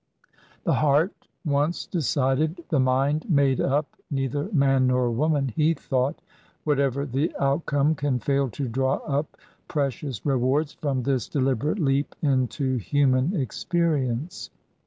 The heart once decided, the mind made up, neither man nor woman, he thought, whatever the out come, can fail to draw up precious rewards from this de liberate leap into human experience.